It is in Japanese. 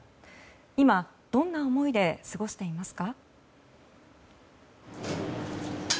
今、どんな思いで過ごしていますか？